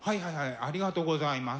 ありがとうございます。